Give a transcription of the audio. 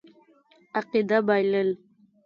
عقیده بایلل.